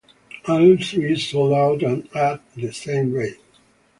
All three sold out, and at the same rate.